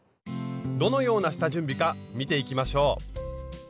どのような下準備か見ていきましょう。